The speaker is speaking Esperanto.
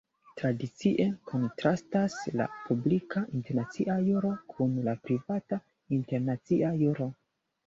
Tradicie kontrastas la "publika internacia juro" kun la "privata internacia juro".